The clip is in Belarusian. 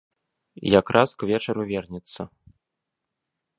Якраз к вечару вернецца.